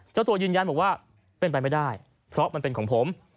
เจ้าตัวยืนยันบอกว่าเป็นไปไม่ได้เพราะมันเป็นของผม